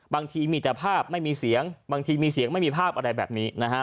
บางทีมีแต่ภาพไม่มีเสียงบางทีมีเสียงไม่มีภาพอะไรแบบนี้นะฮะ